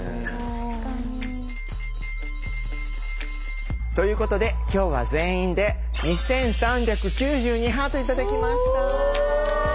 確かに。ということできょうは全員で２３９２ハート頂きました。